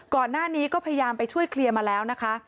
ก่อนหน้านี้ก็พยายามไปช่วยเคลียร์มาแล้วนะคะ